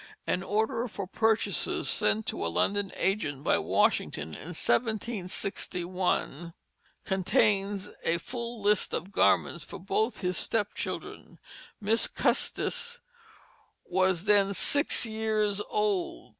An order for purchases sent to a London agent by Washington in 1761 contains a full list of garments for both his step children. "Miss Custis" was then six years old.